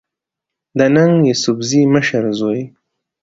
د ننګ يوسفزۍ مشر زوی